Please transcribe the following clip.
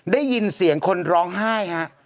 ได้ยินเสียงคนร้องไห้ฮะ